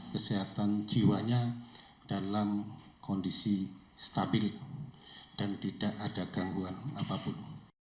kesehatan jiwanya dalam kondisi stabil dan tidak ada gangguan apapun